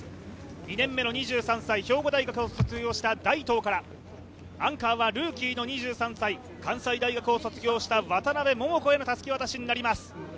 ２年目の２３歳、兵庫大学を卒業した大東からアンカーはルーキーの２３歳関西大学を卒業した渡邉桃子へのたすき渡しになります。